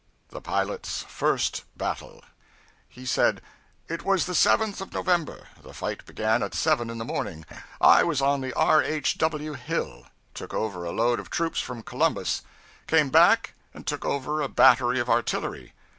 THE PILOT'S FIRST BATTLE He said It was the 7th of November. The fight began at seven in the morning. I was on the 'R. H. W. Hill.' Took over a load of troops from Columbus. Came back, and took over a battery of artillery.